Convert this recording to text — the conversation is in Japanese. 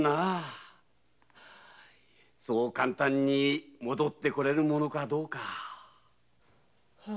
そう簡単に戻ってこられるものかどうか。